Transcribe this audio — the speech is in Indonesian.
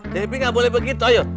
devi gak boleh begitu ayo